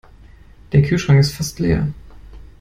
Der Kühlschrank ist fast leer.